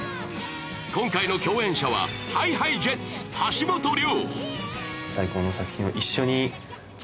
今回の共演者は、ＨｉＨｉＪｅｔｓ橋本涼。